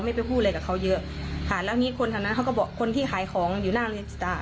ไม่ไปพูดอะไรกับเขาเยอะค่ะแล้วอันนี้คนทางนั้นเขาก็บอกคนที่ขายของอยู่นั่งลิงจิตตา